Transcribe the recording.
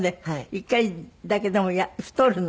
１回だけでも太るの？